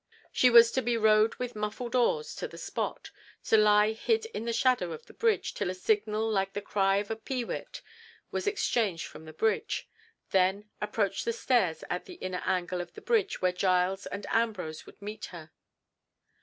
She was to be rowed with muffled oars to the spot, to lie hid in the shadow of the bridge till a signal like the cry of the pee wit was exchanged from the bridge, then approach the stairs at the inner angle of the bridge where Giles and Ambrose would meet her.